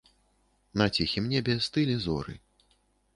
На ціхім небе стылі зоры.